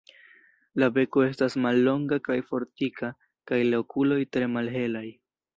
La beko estas mallonga kaj fortika kaj la okuloj tre malhelaj.